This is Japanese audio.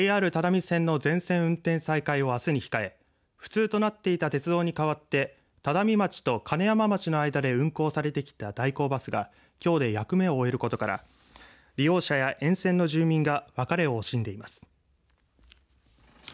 ＪＲ只見線の全線運転再開をあすに控え不通となっていた鉄道に代わって只見町と金山町の間で運行されてきた代行バスがきょうで役目を終えることから利用者や沿線の住民が別れを惜しんでいます。